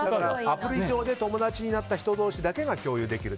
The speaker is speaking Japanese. アプリ上で友達になった人同士だけが共有できる。